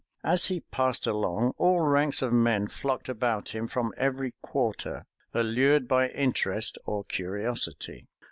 As he passed along, all ranks of men flocked about him from every quarter, allured by interest or curiosity.